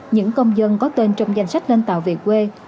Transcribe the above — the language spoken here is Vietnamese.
những công dân có tên trong danh sách lên tàu viện của tp hcm